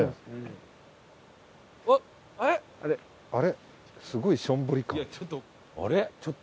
あれ？